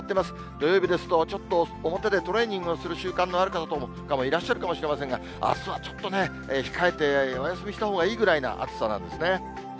土曜日ですと、ちょっと表でトレーニングをする習慣のある方もいらっしゃるかもしれませんが、あすはちょっとね、控えて、お休みしたほうがいいぐらいの暑さなんですね。